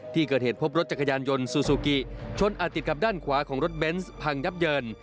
ที่เกิดเหตุพบรถจักรยานยนต์ซูซูกิชนอาจติดกับด้านขวาของรถเบนส์พังยับเยิน